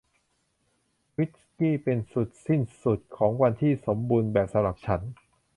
วิสกี้เป็นจุดสิ้นสุดของวันที่สมบูรณ์แบบสำหรับฉัน